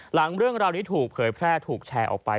หลังเรื่องราวนี้ถูกเผยแพร่ถูกแชร์ออกไป